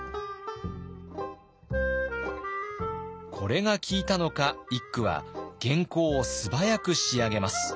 これが効いたのか一九は原稿を素早く仕上げます。